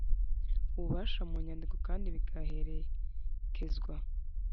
ububasha mu nyandiko kandi bigaherekezwa